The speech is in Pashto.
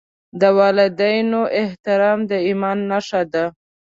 د والدینو احترام د ایمان نښه ده.